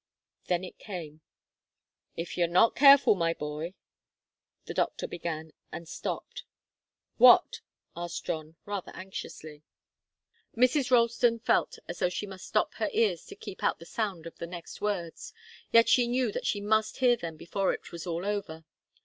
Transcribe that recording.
Then it came. "If you're not careful, my boy " the doctor began, and stopped. "What?" asked John, rather anxiously. Mrs. Ralston felt as though she must stop her ears to keep out the sound of the next words. Yet she knew that she must hear them before it was all over.